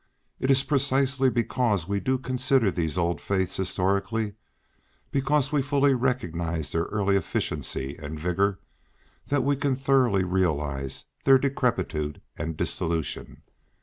It is precisely because we do consider these old faiths historically, because we fully recognise their early efficiency and vigor, that we can thoroughly realise their decrepitude and dissolution.